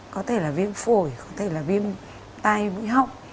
có thể là viêm phổi không thể là viêm tai mũi họng